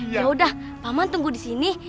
ya udah paman tunggu di sini